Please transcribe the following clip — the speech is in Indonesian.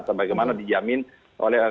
sebagaimana dijamin oleh